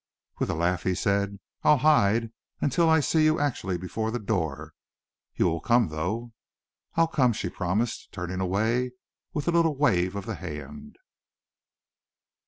With a laugh he said: "I'll hide, until I see you actually before the door. You will come, though?" "I'll come," she promised, turning away with a little wave of the hand.